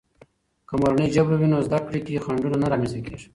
که مورنۍ ژبه وي، نو زده کړې کې خنډونه نه رامنځته کېږي.